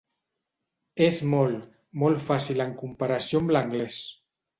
És molt, molt fàcil en comparació amb l'anglès.